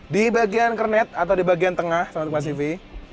di bagian kernet atau di bagian tengah mas sivi